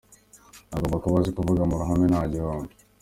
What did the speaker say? Agomba kuba azi kuvuga mu ruhame nta gihunga.